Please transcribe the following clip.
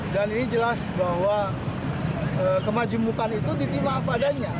dan ini jelas bahwa kemajemukan itu ditimpa padanya